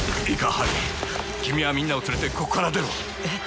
ハリー君はみんなを連れてここから出ろえっ！？